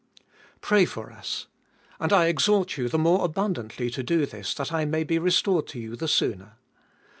Pray for us : And I exhort you the more abundantly to do this, that I may be restored to you the sooner.